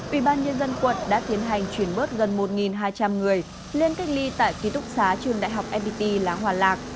ủy ban nhân dân quận đã tiến hành chuyển bớt gần một hai trăm linh người lên cách ly tại ký túc xá trường đại học nbt lá hòa lạc